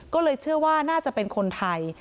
ก็เลยเชื่อว่าน่าจะเป็นคนไทย